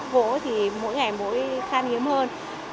vỗ thì mỗi ngày mỗi khăn hiếm hơn